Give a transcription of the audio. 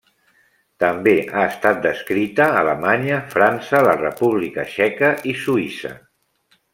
També ha estat descrita a Alemanya, França, la República Txeca i Suïssa.